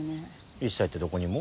一切ってどこにも？